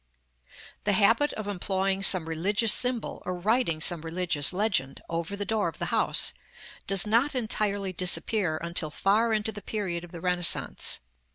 § LVII. The habit of employing some religious symbol, or writing some religious legend, over the door of the house, does not entirely disappear until far into the period of the Renaissance.